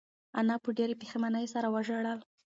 انا په ډېرې پښېمانۍ سره وژړل.